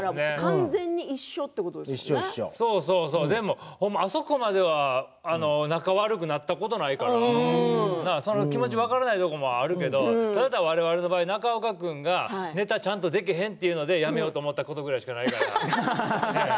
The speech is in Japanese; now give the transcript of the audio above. だからそうそうそうでも、あそこまでは仲悪くなったことないから気持ちが分からないところもあるけど、ただ我々の場合中岡君がネタがちゃんとできへんって言うぐらいでやめようと思ったことしかないから。